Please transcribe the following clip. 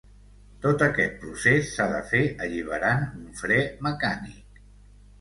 Tot aquest procés s'ha de fer alliberant un fre mecànic.